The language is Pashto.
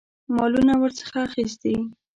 مالونه ورڅخه اخیستي.